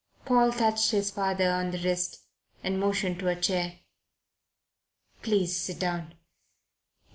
Paul touched his father on the wrist, and motioned to a chair. "Please sit down.